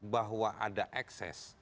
bahwa ada ekses